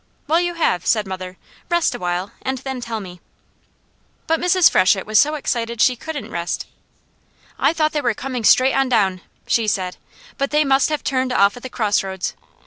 "Well, you have," said mother. "Rest a while and then tell me." But Mrs. Freshett was so excited she couldn't rest. "I thought they were coming straight on down," she said, "but they must have turned off at the cross roads.